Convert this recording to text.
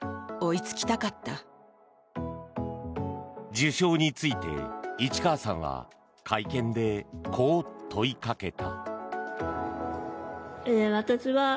受賞について市川さんは会見でこう問いかけた。